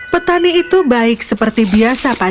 petani itu baik seperti biasa pada